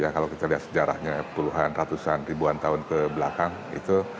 kalau kita lihat sejarahnya puluhan ratusan ribuan tahun ke belakang itu